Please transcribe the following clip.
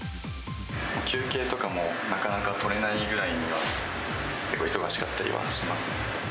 休憩とかも、なかなか取れないぐらいには結構、忙しかったりはしますね。